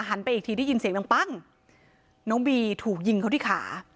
ไปอีกทีได้ยินเสียงดังปั้งน้องบีถูกยิงเขาที่ขา